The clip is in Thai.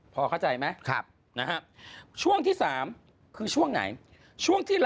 พอเข้าใจไหม